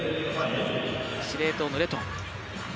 司令塔のレトン。